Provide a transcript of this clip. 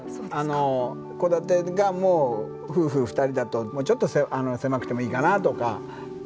戸建てがもう夫婦２人だともうちょっと狭くてもいいかなとかっていうのがあるので。